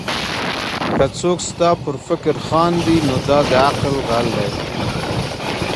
که څوک ستا پر فکر خاندي؛ نو دا د عقل غل دئ.